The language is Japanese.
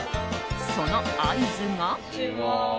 その合図が。